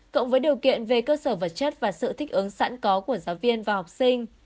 cộng với điều kiện về cơ sở vật chất và sự thích ứng sẵn có của giáo viên và học sinh